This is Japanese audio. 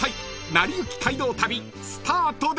［『なりゆき街道旅』スタートです］